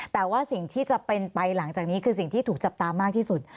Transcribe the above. แต่ว่าสิ่งที่จะเป็นไปหลังจากนี้คือสิ่งที่ถูกจับตามากที่สุด